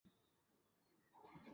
mawaziri wengi ambao ni zaidi ya